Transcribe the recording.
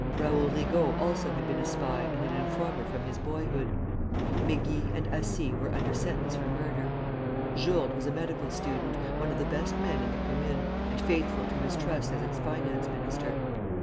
Raoul Rigault also had been a spy and an informer from his boyhood. Mégy and Assy were under sentence for murder. Jourde was a medical student, one of the best men in the Commune, and faithful to his trust as its finance minister.